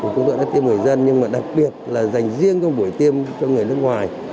chúng tôi đã tiêm người dân nhưng mà đặc biệt là dành riêng cho buổi tiêm cho người nước ngoài